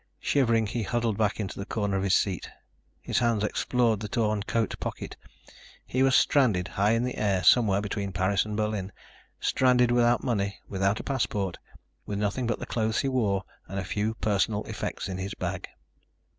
Shivering, he huddled back into the corner of his seat. His hands explored the torn coat pocket. He was stranded, high in the air, somewhere between Paris and Berlin ... stranded without money, without a passport, with nothing but the clothes he wore and the few personal effects in his bag.